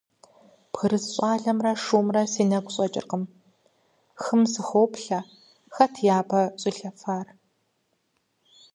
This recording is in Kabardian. Бгырыс щӀалэмрэ шымрэ си нэгу щӀэкӀыркъым, хым сыхоплъэ: хэт япэ щӀилъэфар?